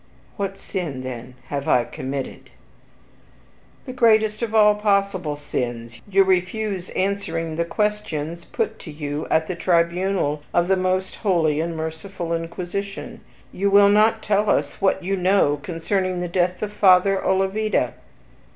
"What sin, then, have I committed?" "The greatest of all possible sins; you refuse answering the questions put to you at the tribunal of the most holy and merciful Inquisition; you will not tell us what you know concerning the death of Father Olavida."